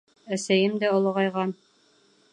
Әсәйем дә олоғайған.